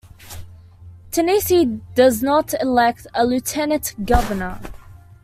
Tennessee does not elect a lieutenant governor.